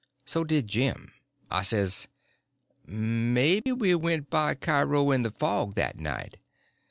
So did Jim. I says: "Maybe we went by Cairo in the fog that night."